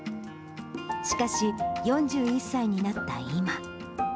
しかし、４１歳になった今。